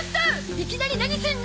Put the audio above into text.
いきなり何すんの！？